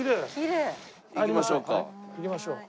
行きましょうか。